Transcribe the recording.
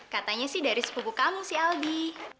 katanya sih dari sepupu kamu sih aldi